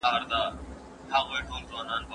ولې تاسو دلته راغلي یاست؟